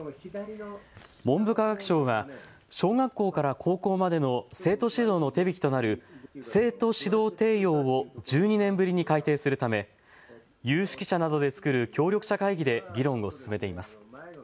文部科学省は小学校から高校までの生徒指導の手引となる生徒指導提要を１２年ぶりに改訂するため有識者などで作る協力者会議で議論を進めています。